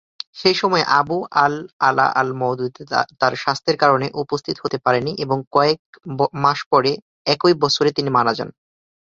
সেই সময়ে, আবু আল-আলা আল-মওদুদি তার স্বাস্থ্যের কারণে উপস্থিত হতে পারেননি এবং কয়েক মাস পরে একই বছরে তিনি মারা যান।